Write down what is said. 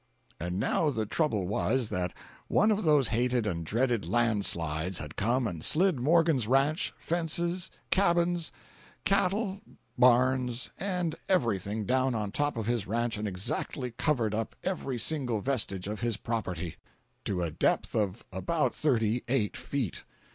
242.jpg (114K) And now the trouble was, that one of those hated and dreaded land slides had come and slid Morgan's ranch, fences, cabins, cattle, barns and everything down on top of his ranch and exactly covered up every single vestige of his property, to a depth of about thirty eight feet.